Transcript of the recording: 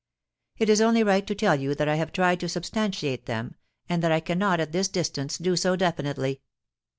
It is only right to tell you that I have tried to substantiate them, and that I cannot at this distance do so definitely.